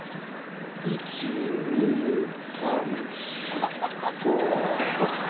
１・２・３・４・５・６。